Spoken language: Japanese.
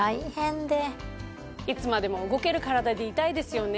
いつまでも動けるカラダでいたいですよね。